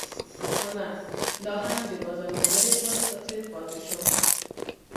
خو نه دا هم د بازار موندنې بورډ په څېر پاتې شو.